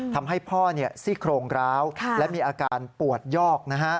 ทำให้พ่อซี่โครงร้าวและมีอาการปวดยอก